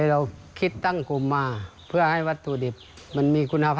เราคิดตั้งกลุ่มมาเพื่อให้วัตถุดิบมันมีคุณภาพ